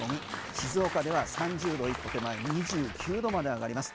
静岡では３０度一方手前２９度まで上がります。